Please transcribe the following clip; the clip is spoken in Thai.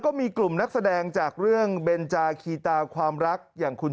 ก็มีกลุ่มนักแสดงจากเรื่องเบนจาคีตาความรักอย่างคุณ